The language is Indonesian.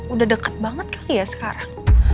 udah deket banget kali ya sekarang